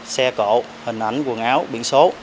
xe cổ hình ảnh quần áo biển số